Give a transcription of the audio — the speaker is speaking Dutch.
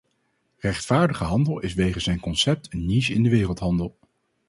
Rechtvaardige handel is wegens zijn concept een niche in de wereldhandel.